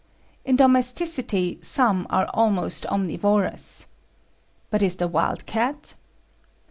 In domesticity some are almost omnivorous. But is the wild cat?